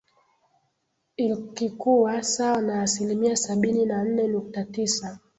Ilkikuwa sawa na asilimia Sabini na nne nukta tisa